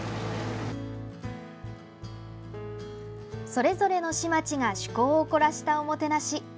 それぞれの市町が趣向を凝らした、おもてなし。